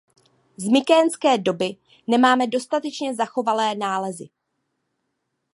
Z mykénské doby nemáme dostatečně zachovány nálezy.